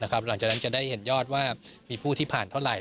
หลังจากนั้นจะได้เห็นยอดว่ามีผู้ที่ผ่านเท่าไหร